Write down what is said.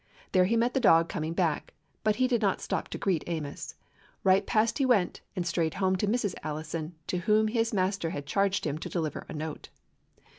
There he met the dog coming back, but he did not stop to greet Amos. Right past he went, and straight home to Mrs. Allison, to whom his master had charged him to deliver a note.